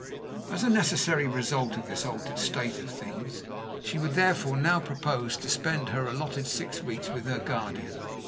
As a necessary result of this altered state of things, she would therefore now propose to spend her allotted six weeks with her guardian.